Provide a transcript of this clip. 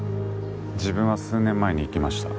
自分は数年前に行きました。